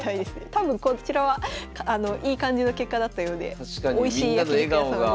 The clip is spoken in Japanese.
多分こちらはいい感じの結果だったようでおいしい焼き肉屋さんで。